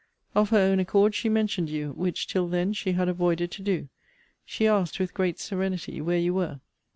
Of her own accord she mentioned you; which, till then, she had avoided to do. She asked, with great serenity, where you were?